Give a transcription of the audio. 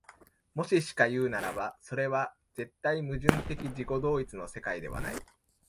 もししかいうならば、それは絶対矛盾的自己同一の世界ではない。